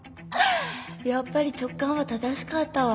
やっぱり直感は正しかったわ。